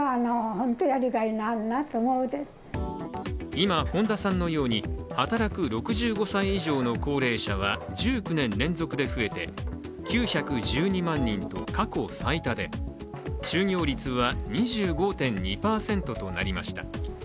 今、本田さんのように働く６５歳以上の高齢者は１９年連続で増えて９１２万人と過去最多で就業率は２５．２％となりました。